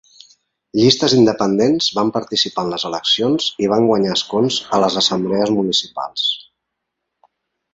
Llistes independents van participar en les eleccions i van guanyar escons a les assemblees municipals.